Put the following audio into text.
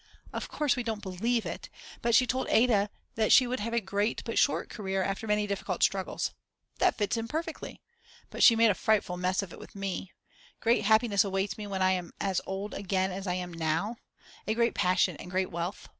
Of course we don't believe it, but she told Ada that she would have a great but short career after many difficult struggles. That fits in perfectly. But she made a frightful mess of it with me: Great happiness awaits me when I am as old again as I am now; a great passion and great wealth.